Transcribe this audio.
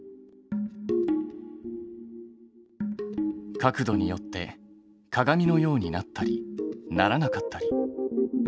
角度によって鏡のようになったりならなかったり。